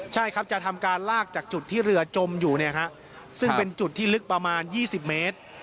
ใช่ครับจะทำการลากจากจุดที่เรือจมอยู่เนี่ยฮะซึ่งเป็นจุดที่ลึกประมาณ๒๐เมตร